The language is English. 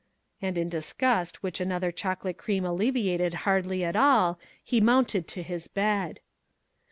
And, in disgust which another chocolate cream alleviated hardly at all, he mounted to his bed.